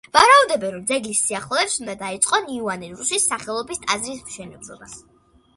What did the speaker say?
ვარაუდობენ, რომ ძეგლის სიახლოვეს უნდა დაიწყონ იოანე რუსის სახელობის ტაძრის მშენებლობა.